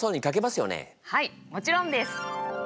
はいもちろんです！